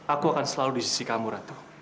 aku akan selalu di sisi kamu ratu